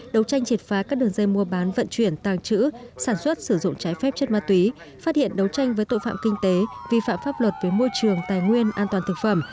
đấu tranh triệt phá các đường dây mua bán vận chuyển tàng trữ sản xuất sử dụng trái phép chất ma túy phát hiện đấu tranh với tội phạm kinh tế vi phạm pháp luật về môi trường tài nguyên an toàn thực phẩm